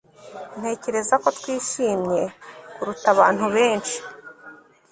Ntekereza ko twishimye kuruta abantu benshi